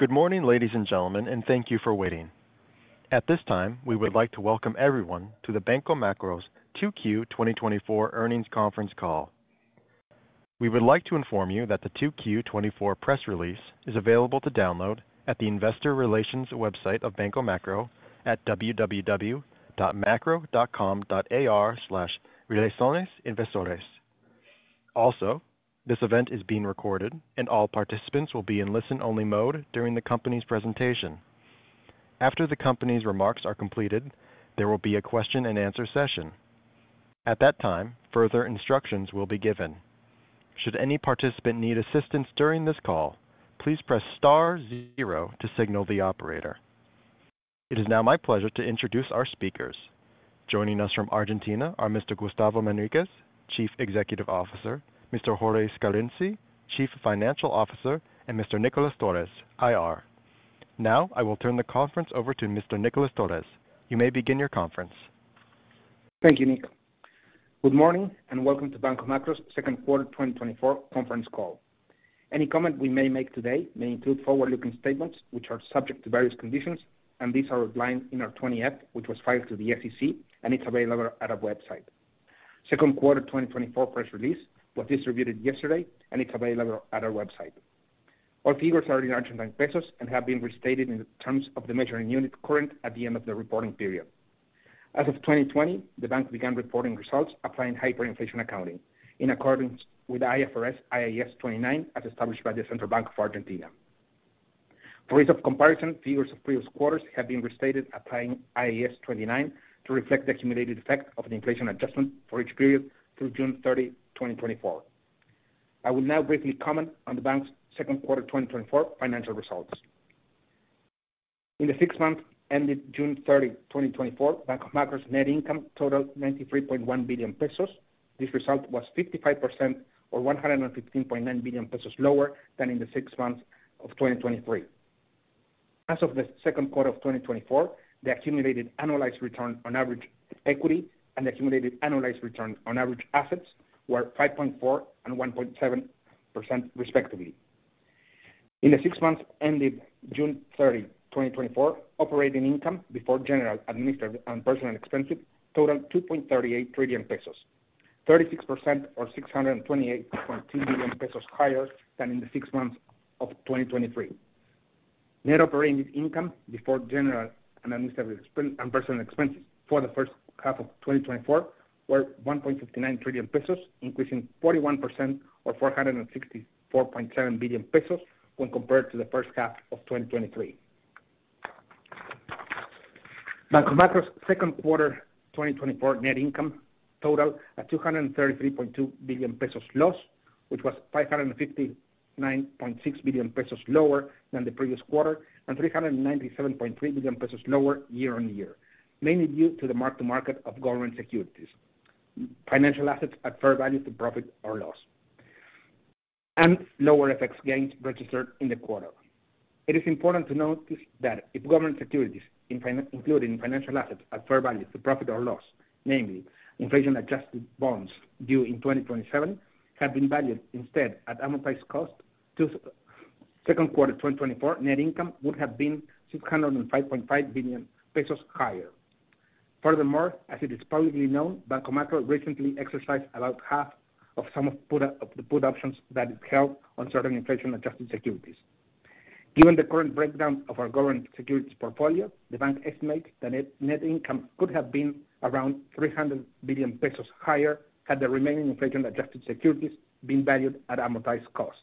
Good morning, ladies and gentlemen, and thank you for waiting. At this time, we would like to welcome everyone to the Banco Macro's 2Q 2024 Earnings Conference Call. We would like to inform you that the 2Q 2024 press release is available to download at the Investor Relations website of Banco Macro at www.macro.com.ar/relaciones-inversores. Also, this event is being recorded, and all participants will be in listen-only mode during the company's presentation. After the company's remarks are completed, there will be a question-and-answer session. At that time, further instructions will be given. Should any participant need assistance during this call, please press star zero to signal the operator. It is now my pleasure to introduce our speakers. Joining us from Argentina are Mr. Gustavo Manriquez, Chief Executive Officer, Mr. Jorge Scarinci, Chief Financial Officer, and Mr. Nicolás Torres, IR. Now, I will turn the conference over to Mr. Nicolás Torres. You may begin your conference. Thank you, Nick. Good morning, and welcome to Banco Macro's second quarter 2024 conference call. Any comment we may make today may include forward-looking statements which are subject to various conditions, and these are outlined in our 20-F, which was filed to the SEC, and it's available at our website. Second quarter 2024 press release was distributed yesterday, and it's available at our website. Our figures are in Argentine pesos and have been restated in the terms of the measuring unit, current at the end of the reporting period. As of 2020, the bank began reporting results, applying hyperinflation accounting in accordance with IFRS, IAS 29, as established by the Central Bank of Argentina. For ease of comparison, figures of previous quarters have been restated applying IAS 29 to reflect the accumulated effect of the inflation adjustment for each period through June 30, 2024. I will now briefly comment on the bank's second quarter 2024 financial results. In the six months ended June 30, 2024, Banco Macro's net income totaled 93.1 billion pesos. This result was 55% or 115.9 billion pesos lower than in the six months of 2023. As of the second quarter of 2024, the accumulated annualized return on average equity and accumulated annualized return on average assets were 5.4% and 1.7%, respectively. In the six months ended June 30, 2024, operating income before general, administrative, and personnel expenses totaled 2.38 trillion pesos, 36% or 628.2 billion pesos higher than in the six months of 2023. Net operating income before general and administrative expenses and personal expenses for the first half of 2024 were 1.59 trillion pesos, increasing 41% or 464.7 billion pesos when compared to the first half of 2023. Banco Macro's second quarter 2024 net income totaled at 233.2 billion pesos loss, which was 559.6 billion pesos lower than the previous quarter and 397.3 billion pesos lower year on year, mainly due to the mark to market of government securities, financial assets at fair value to profit or loss, and lower FX gains registered in the quarter. It is important to note that if government securities, including financial assets at fair value to profit or loss, namely inflation-adjusted bonds due in 2027, have been valued instead at amortized cost to second quarter 2024, net income would have been 605.5 billion pesos higher. Furthermore, as it is publicly known, Banco Macro recently exercised about half of some of the put options that it held on certain inflation-adjusted securities. Given the current breakdown of our government securities portfolio, the bank estimates the net income could have been around 300 billion pesos higher, had the remaining inflation-adjusted securities been valued at amortized cost.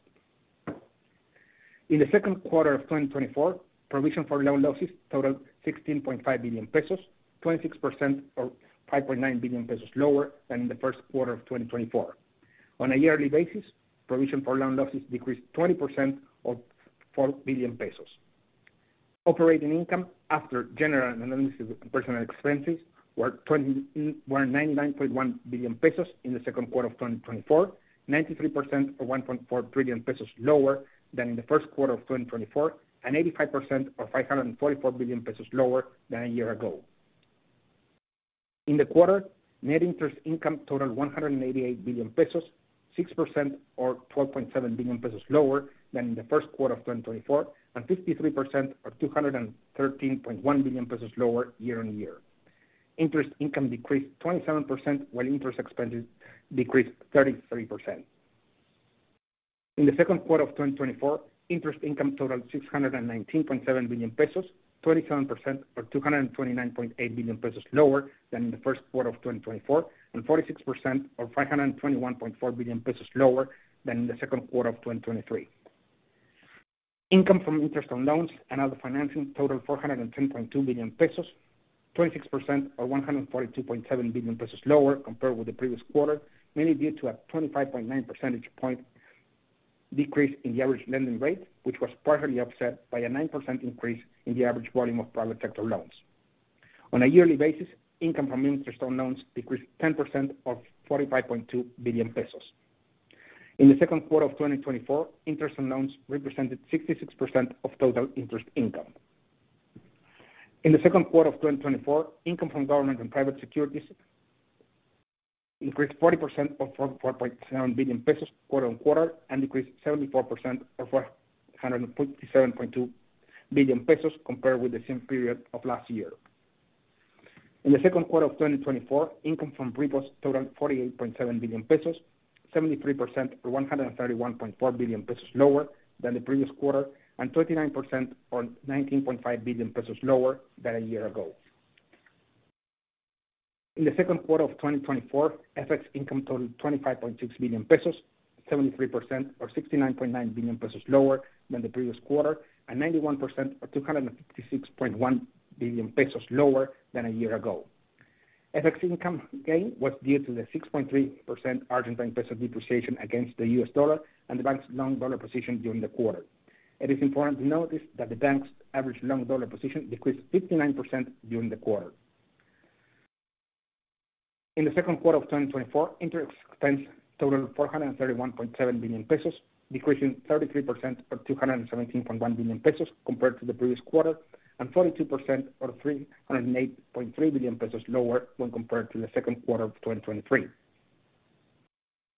In the second quarter of 2024, provision for loan losses totaled 16.5 billion pesos, 26%, or 5.9 billion pesos lower than in the first quarter of 2024. On a yearly basis, provision for loan losses decreased 20% or 4 billion pesos. Operating income after general and administrative and personnel expenses were ninety-nine point one billion pesos in the second quarter of 2024, 93% or 1.4 trillion pesos lower than in the first quarter of 2024, and 85% or 544 billion pesos lower than a year ago. In the quarter, net interest income totaled 188 billion pesos, 6% or 12.7 billion pesos lower than in the first quarter of 2024, and 53% or 213.1 billion pesos lower year on year. Interest income decreased 27%, while interest expenses decreased 33%. In the second quarter of 2024, interest income totaled 619.7 billion pesos, 27% or 229.8 billion pesos lower than in the first quarter of 2024, and 46% or 521.4 billion pesos lower than in the second quarter of 2023. Income from interest on loans and other financing totaled 410.2 billion pesos, 26% or 142.7 billion pesos lower compared with the previous quarter, mainly due to a 25.9 percentage point decrease in the average lending rate, which was partially offset by a 9% increase in the average volume of private sector loans. On a yearly basis, income from interest on loans decreased 10% or 45.2 billion pesos. In the second quarter of 2024, interest on loans represented 66% of total interest income. In the second quarter of 2024, income from government and private securities increased 40.4%, 4.7 billion pesos quarter on quarter, and decreased 74% or 457.2 billion pesos compared with the same period of last year. In the second quarter of 2024, income from repos totaled 48.7 billion pesos, 73% or 131.4 billion pesos lower than the previous quarter, and 39% or 19.5 billion pesos lower than a year ago. In the second quarter of 2024, FX income totaled 25.6 billion pesos, 73% or 69.9 billion pesos lower than the previous quarter, and 91% or 256.1 billion pesos lower than a year ago. FX income gain was due to the 6.3% Argentine peso depreciation against the US dollar and the bank's long dollar position during the quarter. It is important to notice that the bank's average long dollar position decreased 59% during the quarter. In the second quarter of 2024, interest expense totaled 431.7 billion pesos, decreasing 33% or 217.1 billion pesos compared to the previous quarter, and 42% or 308.3 billion pesos lower when compared to the second quarter of 2023.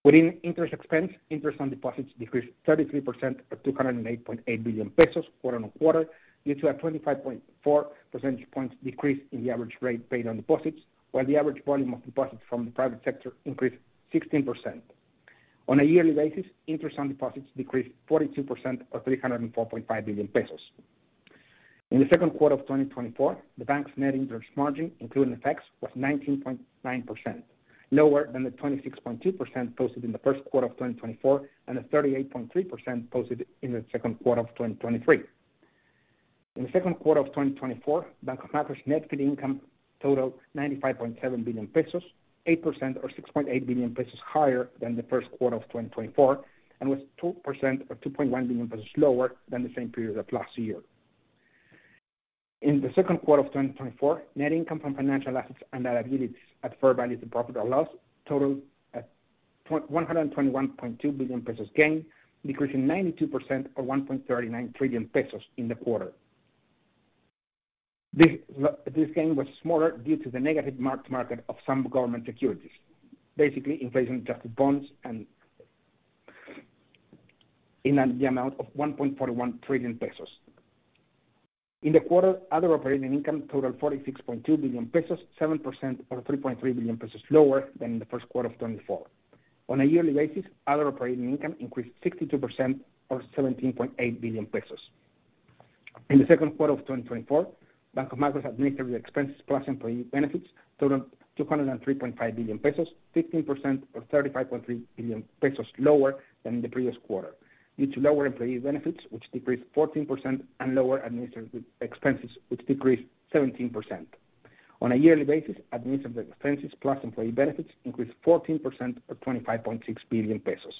Within interest expense, interest on deposits decreased 33% or 208.8 billion pesos quarter on quarter, due to a 25.4 percentage points decrease in the average rate paid on deposits, while the average volume of deposits from the private sector increased 16%. On a yearly basis, interest on deposits decreased 42% or 304.5 billion pesos. In the second quarter of twenty twenty-four, the bank's net interest margin, including effects, was 19.9%, lower than the 26.2% posted in the first quarter of twenty twenty-four, and the 38.3% posted in the second quarter of twenty twenty-three. In the second quarter of twenty twenty-four, Banco Macro's net fee income totaled 95.7 billion pesos, 8% or 6.8 billion pesos higher than the first quarter of twenty twenty-four, and was 2% or 2.1 billion pesos lower than the same period of last year. In the second quarter of twenty twenty-four, net income from financial assets and liabilities at fair values of profit or loss totaled one hundred and twenty-one point two billion pesos gain, decreasing 92% or 1.39 trillion pesos in the quarter. This gain was smaller due to the negative mark-to-market of some government securities, basically inflation-adjusted bonds and in an amount of 1.41 trillion pesos. In the quarter, other operating income totaled 46.2 billion pesos, 7% or 3.3 billion pesos lower than in the first quarter of 2024. On a yearly basis, other operating income increased 62% or 17.8 billion pesos. In the second quarter of 2024, Banco Macro's administrative expenses, plus employee benefits, totaled 203.5 billion pesos, 15% or 35.3 billion pesos lower than the previous quarter, due to lower employee benefits, which decreased 14% and lower administrative expenses, which decreased 17%. On a yearly basis, administrative expenses, plus employee benefits, increased 14% or 25.6 billion pesos.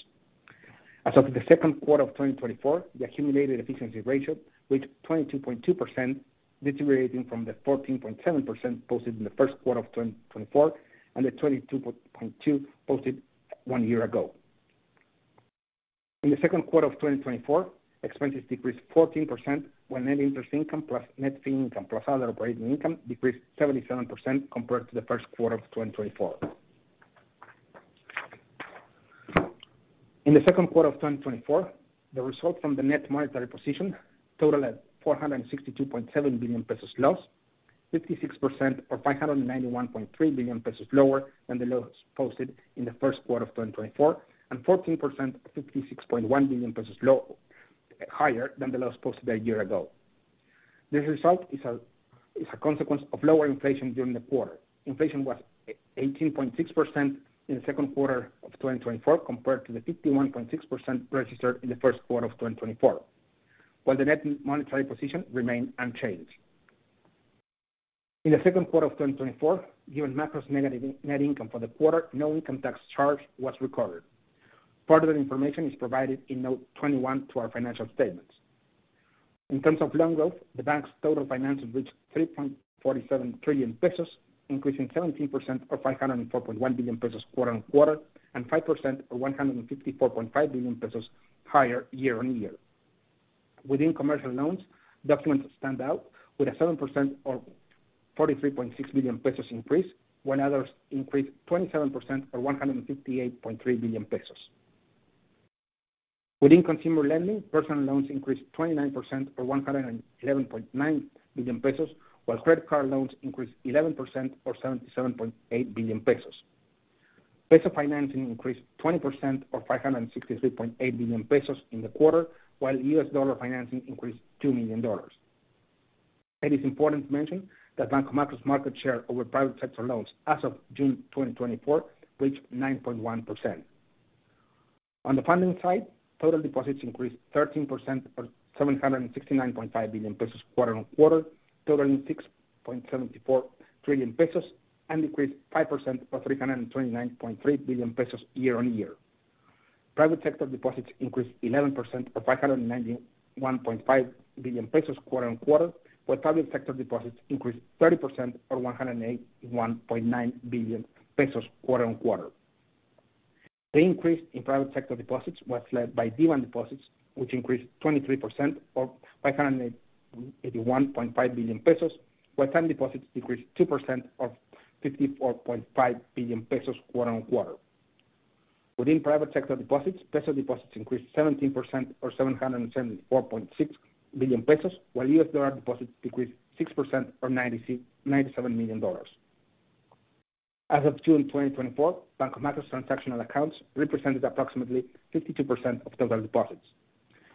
As of the second quarter of 2024, the accumulated efficiency ratio reached 22.2%, deteriorating from the 14.7% posted in the first quarter of 2024 and the 22.2% posted one year ago. In the second quarter of 2024, expenses decreased 14%, when net interest income plus net fee income plus other operating income decreased 77% compared to the first quarter of 2024. In the second quarter of 2024, the result from the net monetary position totaled 462.7 billion pesos loss, 56% or 591.3 billion pesos lower than the loss posted in the first quarter of 2024, and 14%, 56.1 billion pesos lower than the loss posted a year ago. This result is a consequence of lower inflation during the quarter. Inflation was 18.6% in the second quarter of 2024, compared to the 51.6% registered in the first quarter of 2024, while the net monetary position remained unchanged. In the second quarter of 2024, given Macro's negative net income for the quarter, no income tax charge was recovered. Further information is provided in note 21 to our financial statements. In terms of loan growth, the bank's total finances reached 3.47 trillion pesos, increasing 17% or 504.1 billion pesos quarter on quarter, and 5% or 154.5 billion pesos higher year on year. Within commercial loans, documents stand out with a 7% or 43.6 billion pesos increase, when others increased 27% or 158.3 billion pesos. Within consumer lending, personal loans increased 29% or 111.9 billion pesos, while credit card loans increased 11% or 77.8 billion pesos. Peso financing increased 20% or 563.8 billion pesos in the quarter, while US dollar financing increased $2 million. It is important to mention that Banco Macro's market share over private sector loans as of June 2024 reached 9.1%. On the funding side, total deposits increased 13% or 769.5 billion pesos quarter on quarter, totaling 6.74 trillion pesos, and decreased 5% or 329.3 billion pesos year on year. Private sector deposits increased 11% or 591.5 billion pesos quarter on quarter, while public sector deposits increased 30% or 181.9 billion pesos quarter on quarter.... The increase in private sector deposits was led by demand deposits, which increased 23% or 581.5 billion pesos, while time deposits decreased 2% or 54.5 billion pesos quarter on quarter. Within private sector deposits, peso deposits increased 17% or 774.6 billion pesos, while US dollar deposits decreased 6% or $97 million. As of June 2024, Banco Macro's transactional accounts represented approximately 52% of total deposits.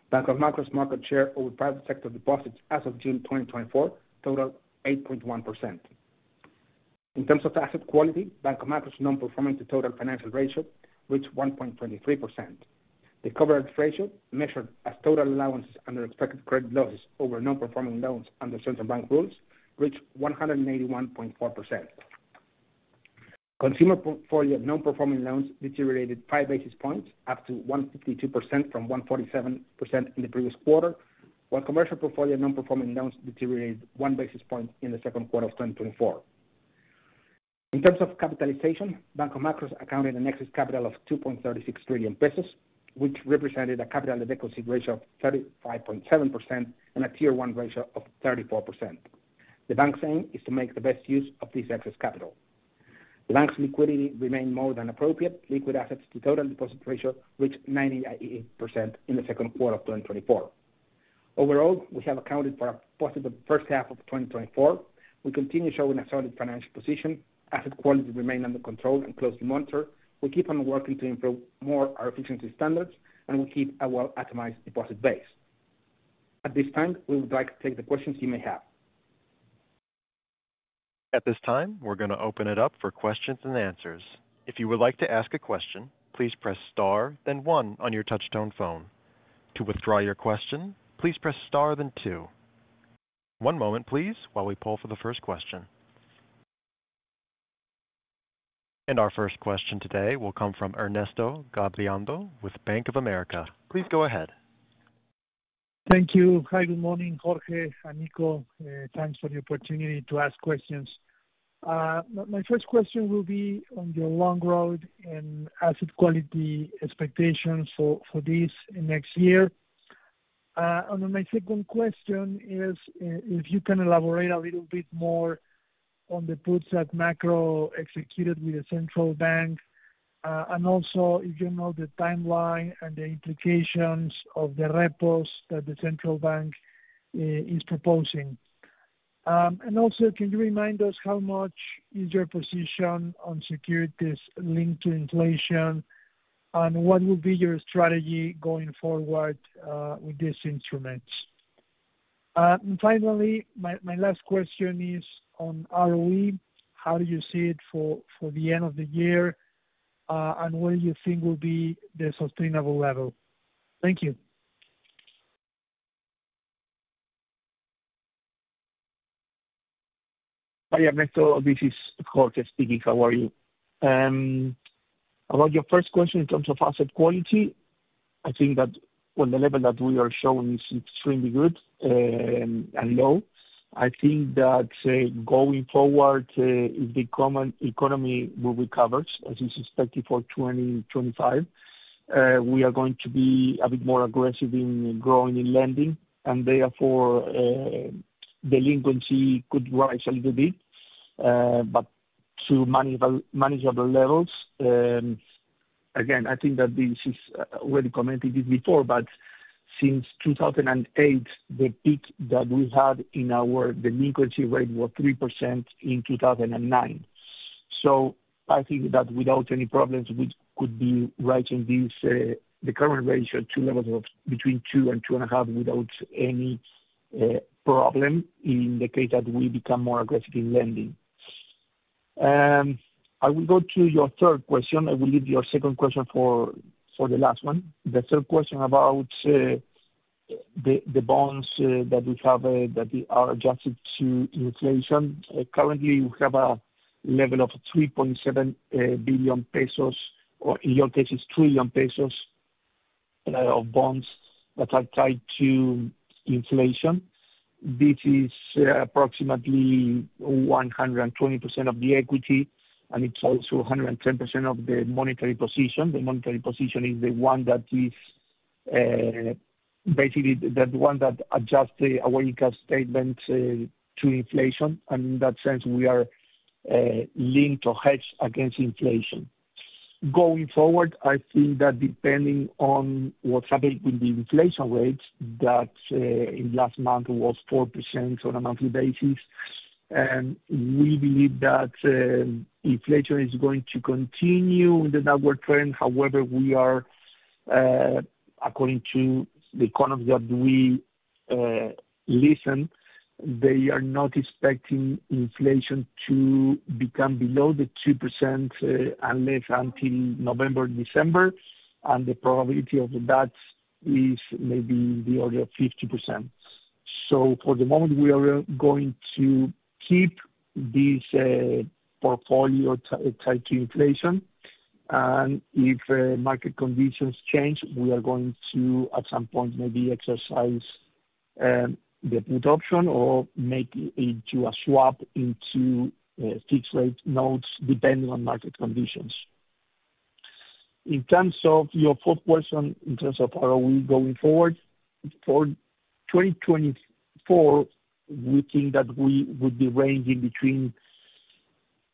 Banco Macro's market share over private sector deposits as of June 2024 total 8.1%. In terms of asset quality, Banco Macro's non-performing to total financial ratio reached 1.23%. The coverage ratio, measured as total allowances under expected credit losses over non-performing loans under central bank rules, reached 181.4%. Consumer portfolio non-performing loans deteriorated five basis points, up to 1.52% from 1.47% in the previous quarter, while commercial portfolio non-performing loans deteriorated one basis point in the second quarter of 2024. In terms of capitalization, Banco Macro's accounted a net capital of 2.36 trillion pesos, which represented a capital adequacy ratio of 35.7% and a Tier 1 ratio of 34%. The bank's aim is to make the best use of this excess capital. The bank's liquidity remained more than appropriate. Liquid assets to total deposit ratio reached 98% in the second quarter of 2024. Overall, we have accounted for a positive first half of 2024. We continue showing a solid financial position. Asset quality remain under control and closely monitored. We keep on working to improve more our efficiency standards, and we keep a well-atomized deposit base. At this time, we would like to take the questions you may have. At this time, we're gonna open it up for questions and answers. If you would like to ask a question, please press star then one on your touchtone phone. To withdraw your question, please press star then two. One moment, please, while we poll for the first question. And our first question today will come from Ernesto Gabilondo with Bank of America. Please go ahead. Thank you. Hi, good morning, Jorge and Nico. Thanks for the opportunity to ask questions. My first question will be on your loan book and asset quality expectations for this and next year, and then my second question is if you can elaborate a little bit more on the puts that Macro executed with the central bank, and also if you know the timeline and the implications of the repos that the central bank is proposing, and also can you remind us how much is your position on securities linked to inflation, and what will be your strategy going forward with these instruments, and finally my last question is on ROE. How do you see it for the end of the year, and what do you think will be the sustainable level? Thank you. Hi, Ernesto. This is Jorge speaking. How are you? About your first question in terms of asset quality, I think that, well, the level that we are showing is extremely good, and low. I think that, going forward, if the economy will recover, as is expected for 2025, we are going to be a bit more aggressive in growing in lending, and therefore, delinquency could rise a little bit, but to manageable levels. Again, I think that this is, we commented this before, but since 2008, the peak that we had in our delinquency rate was 3% in 2009. So I think that without any problems, we could be right in this, the current ratio to levels of between two and two and a half without any problem in the case that we become more aggressive in lending. I will go to your third question. I will leave your second question for the last one. The third question about the bonds that we have that are adjusted to inflation. Currently, we have a level of 3.7 billion pesos or in your case, it's 1 trillion pesos of bonds that are tied to inflation. This is approximately 120% of the equity, and it's also 110% of the monetary position. The monetary position is the one that is basically the one that adjusts our financial statements to inflation, and in that sense, we are linked or hedged against inflation. Going forward, I think that depending on what happens with the inflation rates, that in last month was 4% on a monthly basis, and we believe that inflation is going to continue in the downward trend. However, we are according to the economists that we listen to, they are not expecting inflation to become below 2%, not until November, December, and the probability of that is maybe the order of 50%. So for the moment, we are going to keep this portfolio tied to inflation, and if market conditions change, we are going to, at some point, maybe exercise-... the put option or make it into a swap into fixed rate notes, depending on market conditions. In terms of your fourth question, in terms of how are we going forward, for 2024, we think that we would be ranging between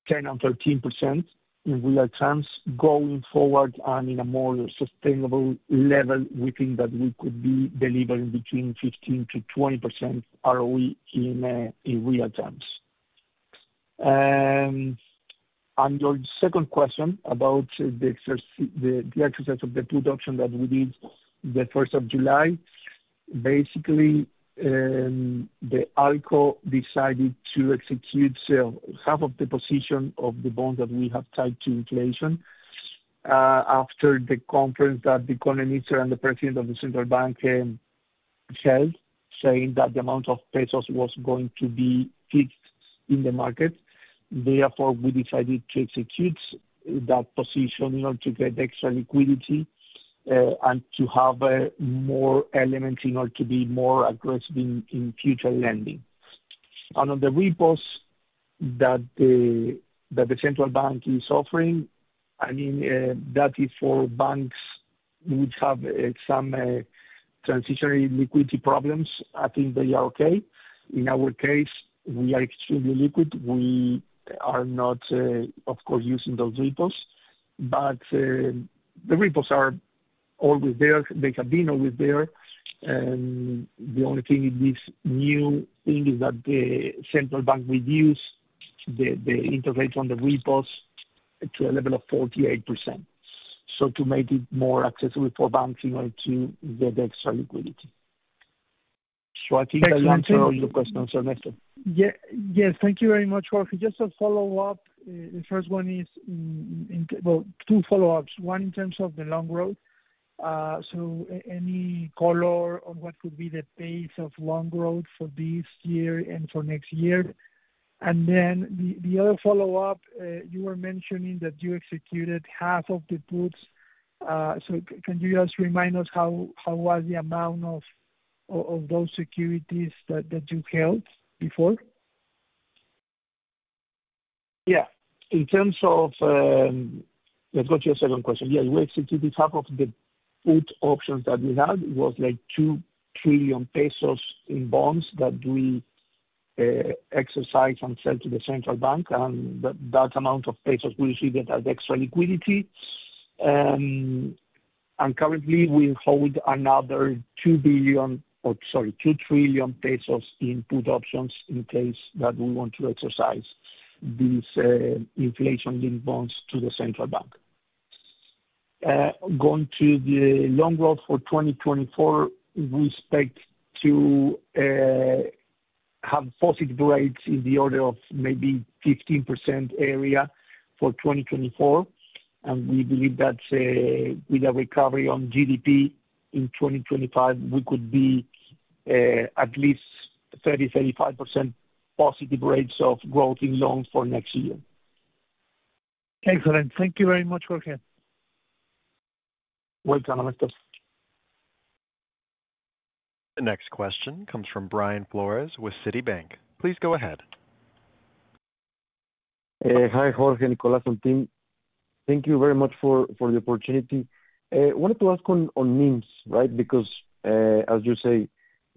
10% and 13% in real terms going forward and in a more sustainable level, we think that we could be delivering between 15% to 20% ROE in real terms. And your second question about the exercise of the put option that we did the first of July, basically, the ALCO decided to execute half of the position of the bond that we have tied to inflation. After the conference that the economist and the president of the central bank held, saying that the amount of pesos was going to be fixed in the market, therefore, we decided to execute that position in order to get extra liquidity, and to have more elements in order to be more aggressive in future lending. And on the repos that the central bank is offering, I mean, that is for banks which have some transitory liquidity problems. I think they are okay. In our case, we are extremely liquid. We are not, of course, using those repos, but the repos are always there. They have been always there. The only thing in this new thing is that the central bank reduced the interest rates on the repos to a level of 48%. So to make it more accessible for banks in order to get the extra liquidity. So I think I answered all your questions, Ernesto. Yes, thank you very much, Jorge. Just a follow-up. Well, two follow-ups. One, in terms of the loan growth. So any color on what could be the pace of loan growth for this year and for next year? And then the other follow-up, you were mentioning that you executed half of the puts. So can you just remind us how was the amount of those securities that you held before? Yeah. In terms of, let's go to your second question. Yeah, we executed half of the put options that we had, it was like 2 trillion pesos in bonds that we exercised and sell to the central bank, and that amount of pesos we received as extra liquidity. And currently, we hold another two billion, or sorry, 2 trillion pesos in put options in case that we want to exercise these inflation link bonds to the central bank. Going to the long road for twenty twenty-four, we expect to have positive rates in the order of maybe 15% area for twenty twenty-four, and we believe that with a recovery on GDP in twenty twenty-five, we could be at least 30-35% positive rates of growth in loans for next year. Excellent. Thank you very much, Jorge. Welcome, Ernesto. The next question comes from Brian Flores with Citibank. Please go ahead. Hi, Jorge, Nicolás, and team. Thank you very much for the opportunity. Wanted to ask on NIMS, right? Because, as you say,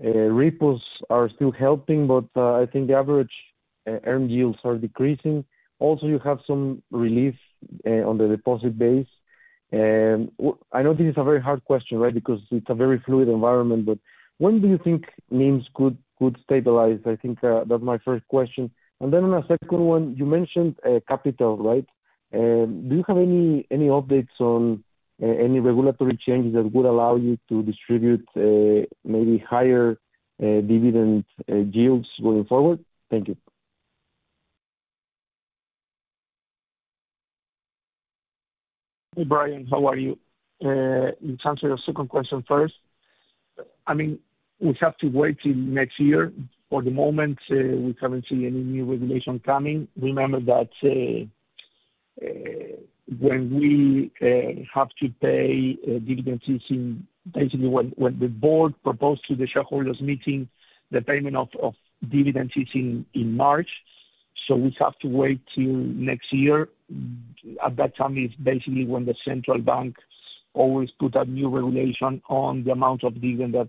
repos are still helping, but, I think the average earn yields are decreasing. Also, you have some relief on the deposit base. And I know this is a very hard question, right? Because it's a very fluid environment, but when do you think NIMS could stabilize? I think that's my first question. And then on a second one, you mentioned capital, right? Do you have any updates on any regulatory changes that would allow you to distribute maybe higher dividend yields going forward? Thank you. Hey, Brian, how are you? In terms of your second question first, I mean, we have to wait till next year. For the moment, we haven't seen any new regulation coming. Remember that when we have to pay dividends, basically, when the board proposed to the shareholders meeting the payment of dividends in March, so we have to wait till next year. At that time, is basically when the central bank always put a new regulation on the amount of dividend that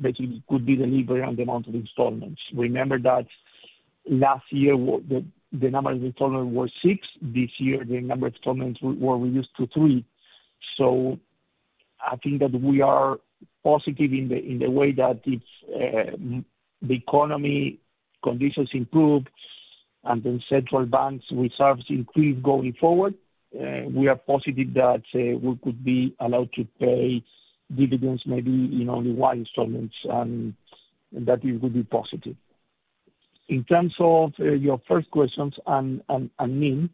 basically could be delivered and the amount of installments. Remember that last year the number of installments were six. This year, the number of installments were reduced to three. I think that we are positive in the, in the way that it's the economy conditions improved, and the central bank's reserves increased going forward. We are positive that we could be allowed to pay dividends maybe in only one installments, and that it will be positive. In terms of your first questions on NIMS,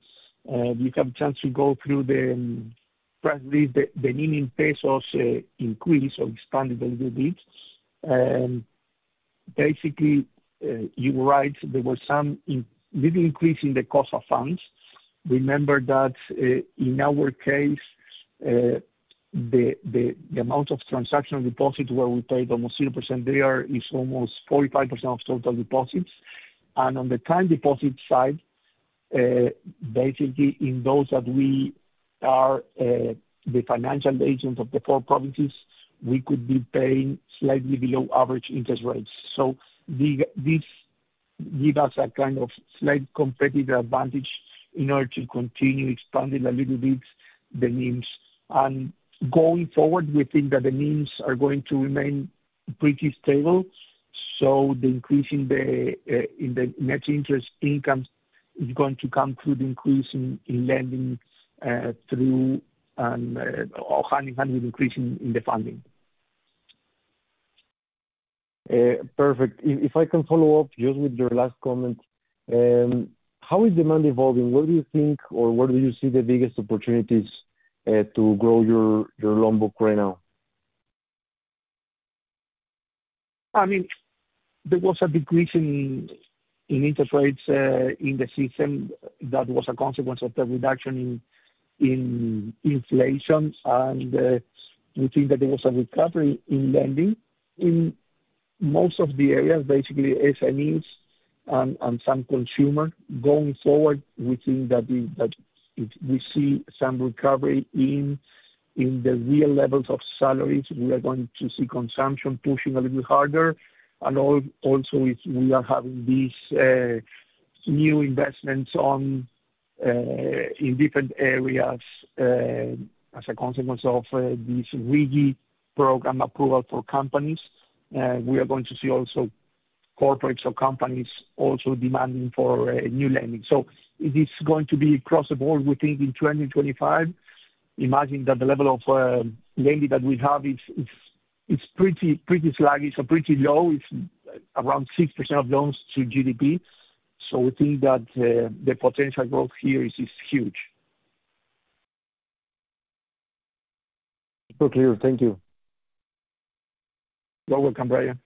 we have a chance to go through the press release, the NIM in pesos increased or expanded a little bit. Basically, you're right, there was some little increase in the cost of funds. Remember that, in our case, the amount of transactional deposits where we pay almost 0% is almost 45% of total deposits. And on the time deposit side, basically, in those that we are, the financial agent of the four provinces, we could be paying slightly below average interest rates. So, this give us a kind of slight competitive advantage in order to continue expanding a little bit the NIMs. And going forward, we think that the NIMs are going to remain pretty stable, so the increase in the net interest income is going to come through the increase in lending or hand in hand with increase in the funding. Perfect. If I can follow up just with your last comment. How is demand evolving? What do you think or where do you see the biggest opportunities to grow your loan book right now? I mean, there was a decrease in interest rates in the system that was a consequence of the reduction in inflation. We think that there was a recovery in lending in most of the areas, basically SMEs and some consumer. Going forward, we think that if we see some recovery in the real levels of salaries, we are going to see consumption pushing a little harder. Also, if we are having these new investments in different areas as a consequence of this RIGI program approval for companies, we are going to see also corporates or companies also demanding for new lending. It is going to be across the board, we think, in 2025. Imagine that the level of lending that we have is, it's pretty sluggish or pretty low. It's around 6% of loans to GDP. So we think that the potential growth here is huge. Super clear. Thank you. You're welcome, Brian.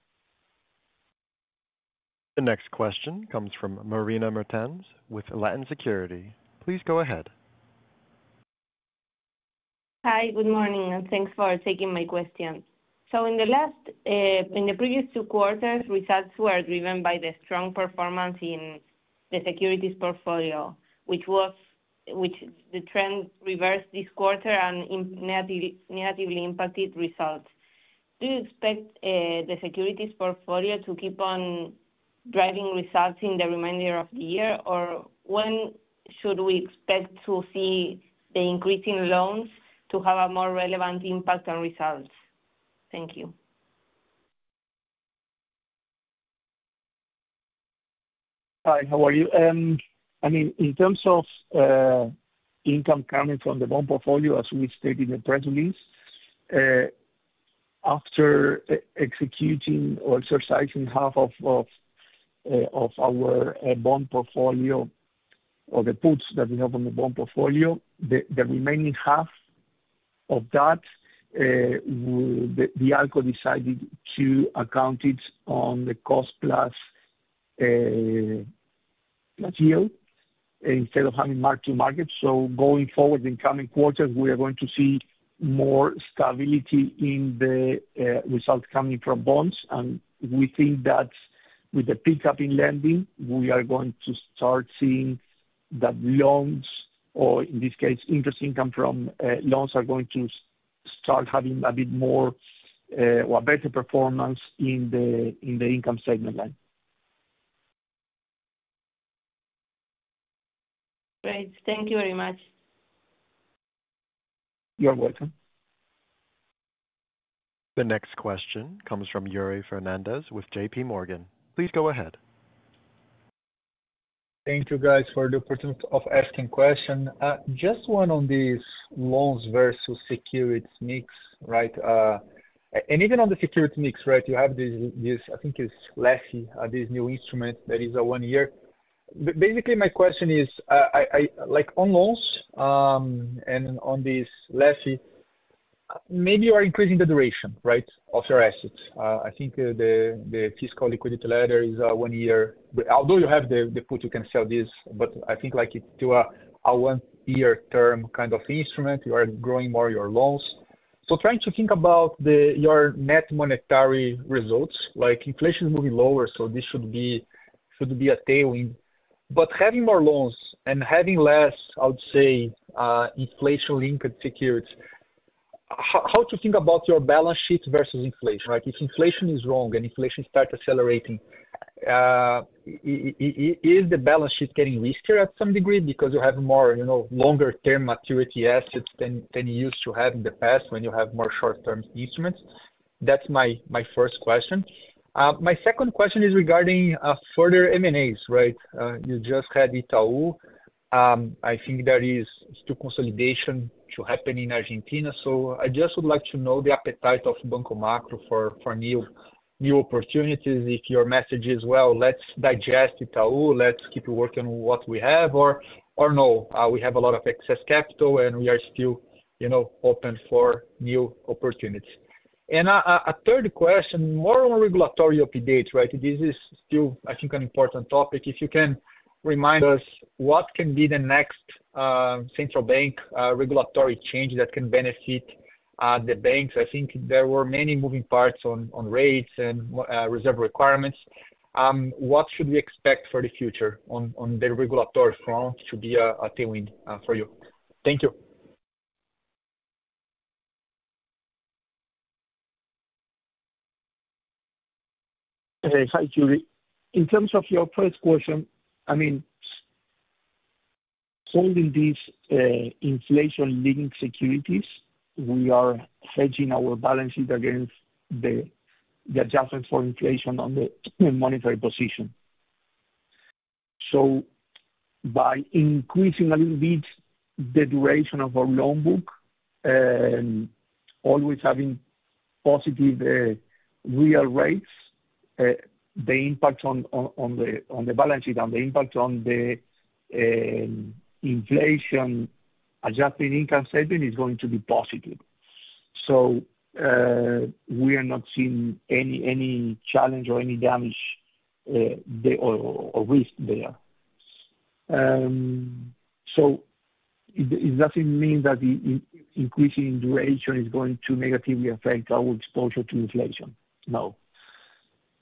The next question comes from Marina Mertens with Latin Securities. Please go ahead. Hi, good morning, and thanks for taking my question. So in the previous two quarters, results were driven by the strong performance in the securities portfolio, which the trend reversed this quarter and negatively impacted results. Do you expect the securities portfolio to keep on driving results in the remainder of the year? Or when should we expect to see the increase in loans to have a more relevant impact on results? Thank you. Hi, how are you? I mean, in terms of, income coming from the bond portfolio, as we stated in the press release, after executing or exercising half of our bond portfolio or the puts that we have on the bond portfolio, the remaining half of that, the ALCO decided to account it on the cost plus, plus yield, instead of having mark-to-market. So going forward, in coming quarters, we are going to see more stability in the results coming from bonds. And we think that with the pick-up in lending, we are going to start seeing that loans, or in this case, interest income from loans, are going to start having a bit more, or better performance in the income segment line. Great. Thank you very much. You're welcome. The next question comes from Yuri Fernandes with JP Morgan. Please go ahead. Thank you, guys, for the opportunity of asking question. Just one on these loans versus securities mix, right? And even on the security mix, right, you have this, I think it's LeFi, this new instrument that is a one year. Basically, my question is, Like, on loans, and on this LeFi, maybe you are increasing the duration, right, of your assets. I think the fiscal liquidity letter is one year. Although you have the put, you can sell this, but I think like it to a one-year term kind of instrument, you are growing more your loans. So trying to think about your net monetary results, like inflation is moving lower, so this should be a tailwind. But having more loans and having less, I would say, inflation-linked securities, how to think about your balance sheet versus inflation, right? If inflation is wrong and inflation start accelerating, is the balance sheet getting riskier at some degree because you have more, you know, longer term maturity assets than you used to have in the past when you have more short-term instruments? That's my first question. My second question is regarding further M&As, right? You just had Itaú. I think there is still consolidation to happen in Argentina. So I just would like to know the appetite of Banco Macro for new opportunities. If your message is, "Well, let's digest Itaú, let's keep working on what we have," or, "No, we have a lot of excess capital, and we are still, you know, open for new opportunities." And a third question, more on regulatory update, right? This is still, I think, an important topic. If you can remind us what can be the next central bank regulatory change that can benefit the banks? I think there were many moving parts on rates and reserve requirements. What should we expect for the future on the regulatory front to be a tailwind for you? Thank you. Hi, Yuri. In terms of your first question, I mean, holding these inflation-linked securities, we are hedging our balance sheet against the adjustments for inflation on the monetary position. So by increasing a little bit the duration of our loan book, always having positive real rates, the impact on the balance sheet and the impact on the inflation-adjusted income statement is going to be positive. So we are not seeing any challenge or any damage there or risk there. So it doesn't mean that the increasing duration is going to negatively affect our exposure to inflation. No.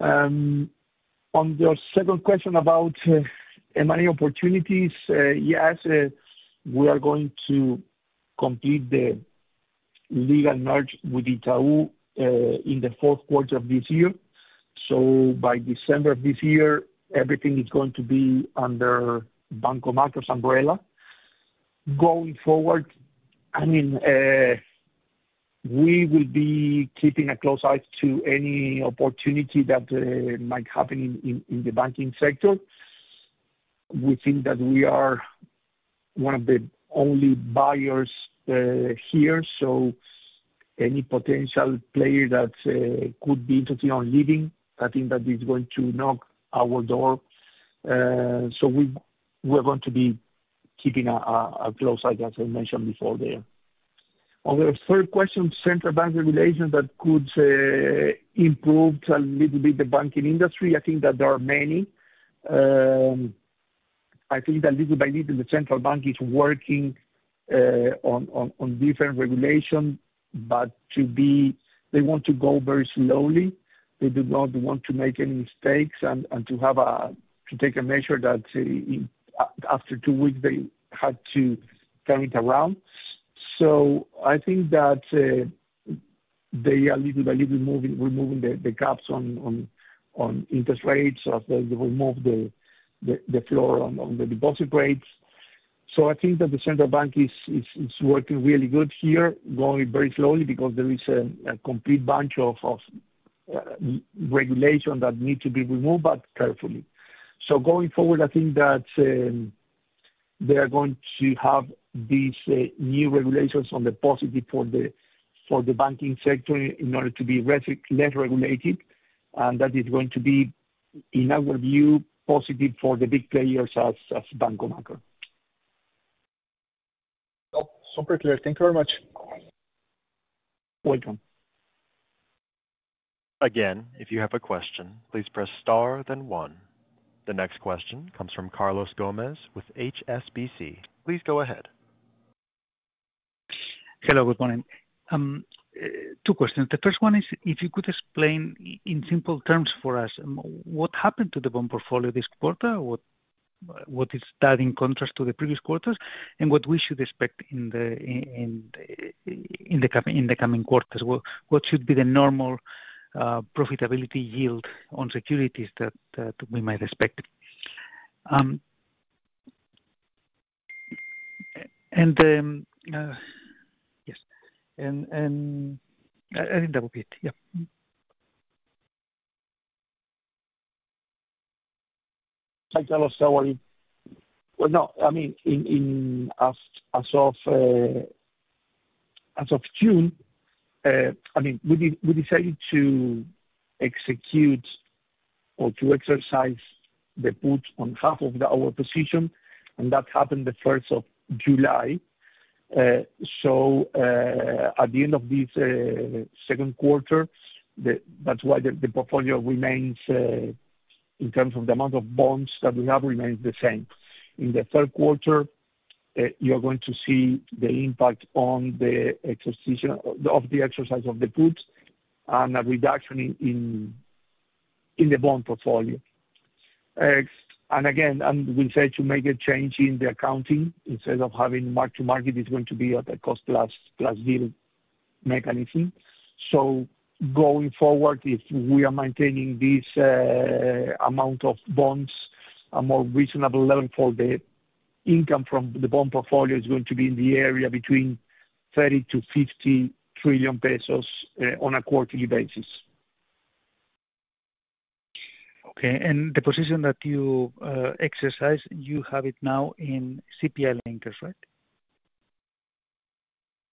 On your second question about M&A opportunities, yes, we are going to complete the legal merge with Itaú in the fourth quarter of this year. So by December of this year, everything is going to be under Banco Macro's umbrella. Going forward, I mean, we will be keeping a close eye on any opportunity that might happen in the banking sector. We think that we are one of the only buyers here, so any potential player that could be interested in leaving, I think that is going to knock on our door. So we're going to be keeping a close eye, as I mentioned before there. On the third question, Central Bank regulation that could improve a little bit the banking industry, I think that there are many. I think that little by little, the Central Bank is working on different regulation, but they want to go very slowly. They do not want to make any mistakes and to have to take a measure that after two weeks, they had to turn it around. So I think that they are little by little moving, removing the caps on interest rates, after they remove the floor on the deposit rates. So I think that the central bank is working really good here, going very slowly because there is a complete bunch of regulation that need to be removed, but carefully. So going forward, I think that they are going to have these new regulations on the positive for the banking sector in order to be less regulated, and that is going to be, in our view, positive for the big players as Banco Macro. Oh, super clear. Thank you very much. Welcome. Again, if you have a question, please press star then one. The next question comes from Carlos Gomez with HSBC. Please go ahead. Hello, good morning. Two questions. The first one is, if you could explain in simple terms for us, what happened to the bond portfolio this quarter? What is that in contrast to the previous quarters, and what we should expect in the coming quarters? What should be the normal profitability yield on securities that we might expect? And I think that will be it. Yeah. Hi, Carlos, how are you? Well, no, I mean, as of June, I mean, we decided to execute or to exercise the put on half of our position, and that happened the 1st of July. So, at the end of this second quarter, that's why the portfolio remains, in terms of the amount of bonds that we have, remains the same. In the third quarter, you're going to see the impact on the exercise, of the exercise of the puts and a reduction in the bond portfolio. And again, and we said to make a change in the accounting, instead of having mark to market, it's going to be at a cost plus deal mechanism. So going forward, if we are maintaining this amount of bonds, a more reasonable level for the income from the bond portfolio is going to be in the area between 30 trillion-50 trillion pesos on a quarterly basis. Okay, and the position that you exercise, you have it now in CPI linkers, right?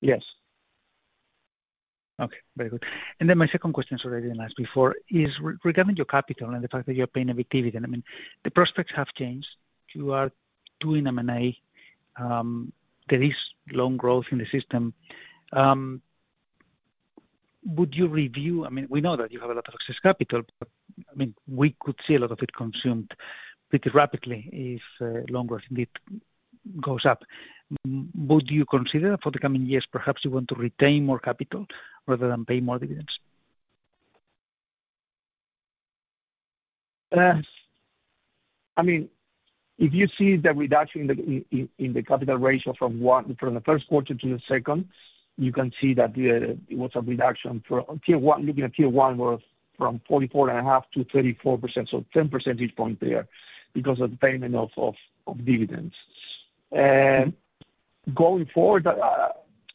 Yes. Okay, very good. And then my second question is what I didn't ask before, is regarding your capital and the fact that you're paying a activity, then I mean, the prospects have changed. Doing M&A, there is loan growth in the system. Would you review, I mean, we know that you have a lot of excess capital, but, I mean, we could see a lot of it consumed pretty rapidly if loan growth indeed goes up. Would you consider, for the coming years, perhaps you want to retain more capital rather than pay more dividends? I mean, if you see the reduction in the capital ratio from the first quarter to the second, you can see that it was a reduction from Q1, from 44.5% to 34%, so 10 percentage points there, because of the payment of dividends. Going forward,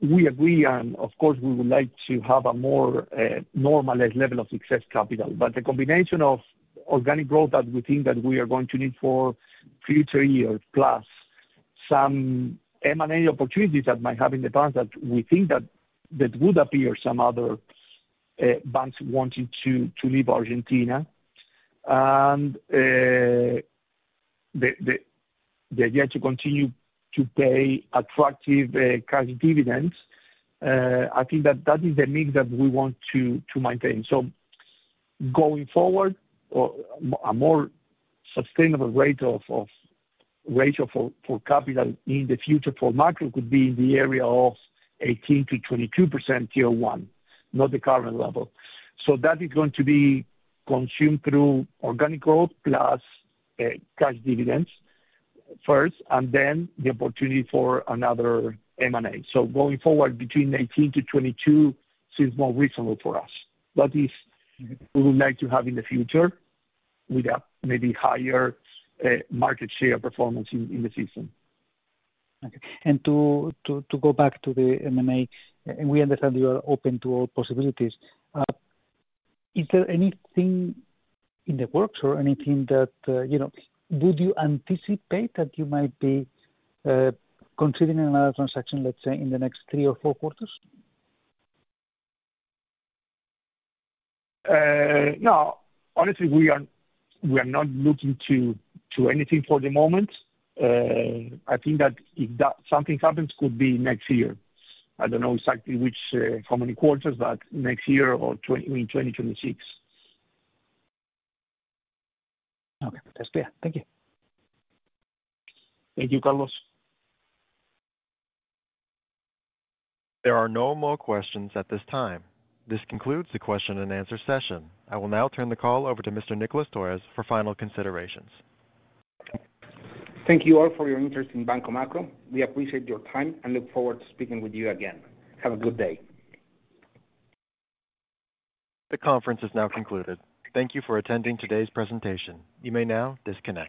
we agree, and of course, we would like to have a more normalized level of excess capital. But the combination of organic growth that we think that we are going to need for future years, plus some M&A opportunities that might have in the past that we think that would appear some other banks wanting to leave Argentina. The idea to continue to pay attractive cash dividends, I think that that is the mix that we want to maintain. So going forward, or a more sustainable rate of ratio for capital in the future for Macro could be in the area of 18%-22% Q1, not the current level. So that is going to be consumed through organic growth, plus cash dividends first, and then the opportunity for another M&A. So going forward, between 18%-22% seems more reasonable for us. That is we would like to have in the future, with a maybe higher market share performance in the system. Okay. And to go back to the M&A, and we understand you are open to all possibilities. Is there anything in the works or anything that, you know, would you anticipate that you might be considering another transaction, let's say, in the next three or four quarters? No. Honestly, we are not looking to anything for the moment. I think that if something happens, it could be next year. I don't know exactly which, how many quarters, but next year or in twenty twenty-six. Okay. That's clear. Thank you. Thank you, Carlos. There are no more questions at this time. This concludes the question and answer session. I will now turn the call over to Mr. Nicolás Torres for final considerations. Thank you all for your interest in Banco Macro. We appreciate your time and look forward to speaking with you again. Have a good day. The conference is now concluded. Thank you for attending today's presentation. You may now disconnect.